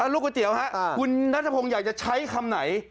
โรคก๋วยเตี๋ยวนะครับคุณนัฏภงศ์อยากใช้คำไหน